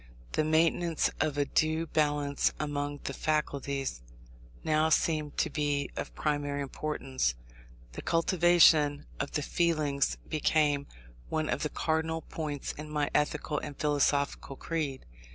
The maintenance of a due balance among the faculties now seemed to be of primary importance. The cultivation of the feelings became one of the cardinal points in my ethical and philosophical creed.